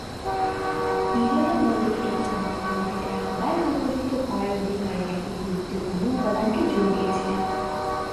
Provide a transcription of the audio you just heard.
Nizam al-Mulk ইকত-মুকতীর অধিকার আদায় ও উপযুক্ত করের অধিকারের একটি গুরুত্বপূর্ণ উপাদানকে জোর দিয়েছিলেন।